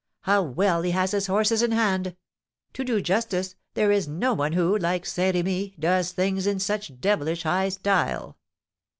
How well he has his horses in hand! To do justice, there is no one who, like Saint Remy, does things in such devilish high style!"